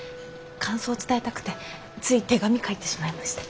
感想を伝えたくてつい手紙書いてしまいました。